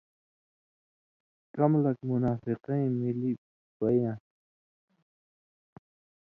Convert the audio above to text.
کم لک منافقَیں مِلی بئ یان٘س،